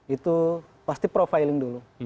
itu pasti profiling dulu